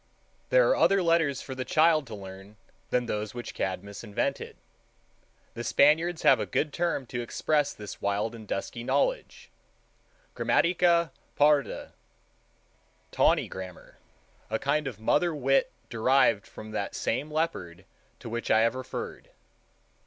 There are other letters for the child to learn than those which Cadmus invented. The Spaniards have a good term to express this wild and dusky knowledge—Gramatica parda—tawny grammar, a kind of mother wit derived from that same leopard to which I have referred.